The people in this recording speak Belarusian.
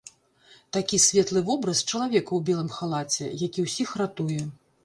Такі светлы вобраз чалавека ў белым халаце, які ўсіх ратуе.